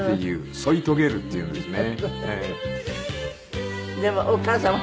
添い遂げるっていうですね。